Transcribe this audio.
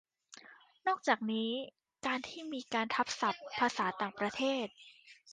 นอกจากนี้ การที่มีการทับศัพท์ภาษาต่างประเทศ